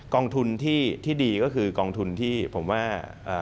กองทุนที่ดีก็คือกองทุนที่ผมว่า